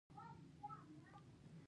د ارغستان د پاڅون په باره کې راسره غږېده.